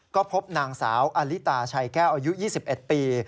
ก็พบนางสาวอลิตาชัยแก้วอายุ๒๑ปี